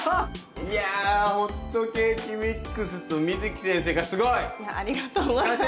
いやホットケーキミックスとＭｉｚｕｋｉ先生がすごい！いやありがとうございます。